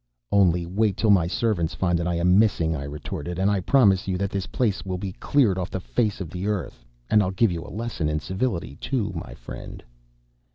"Only wait till my servants find that I am missing," I retorted, "and I promise you that this place shall be cleared off the face of the earth, and I'll give you a lesson in civility, too, my friend."